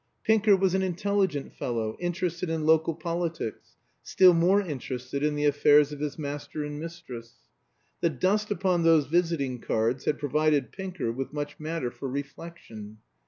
Pinker was an intelligent fellow, interested in local politics, still more interested in the affairs of his master and mistress. The dust upon those visiting cards had provided Pinker with much matter for reflection.